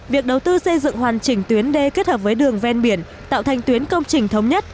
việc đầu tư xây dựng hoàn chỉnh tuyến đê kết hợp với đường ven biển tạo thành tuyến công trình thống nhất